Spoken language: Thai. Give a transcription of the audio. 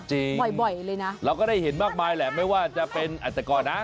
จริงบ่อยเลยนะเราก็ได้เห็นมากมายแหละไม่ว่าจะเป็นอาจารย์ก่อนนะ